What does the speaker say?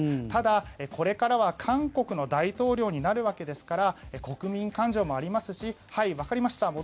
ただ、これからは韓国の大統領になるわけですから国民感情もありますしはい、わかりました